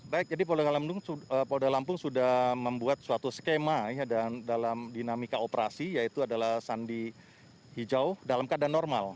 baik jadi polda lampung sudah membuat suatu skema dalam dinamika operasi yaitu adalah sandi hijau dalam keadaan normal